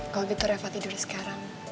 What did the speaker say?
kalau gitu reva tidur sekarang